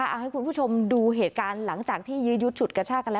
เอาให้คุณผู้ชมดูเหตุการณ์หลังจากที่ยื้อยุดฉุดกระชากันแล้ว